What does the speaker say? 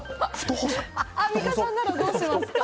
アンミカさんならどうしますか？